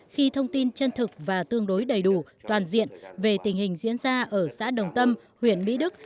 khi thông tin chân thực và tương đối đầy đủ toàn diện về tình hình diễn ra ở xã đồng tâm huyện mỹ đức